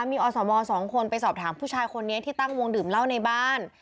มีอสม๒คนไปสอบถามผู้ชายคนนี้ที่ตั้งวงดื่มเหล้าในบ้าน